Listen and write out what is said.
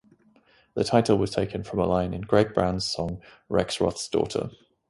The title was taken from a line in Greg Brown's song "Rexroth's Daughter".